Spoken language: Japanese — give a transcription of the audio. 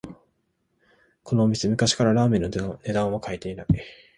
このお店、昔からラーメンの値段は変えてない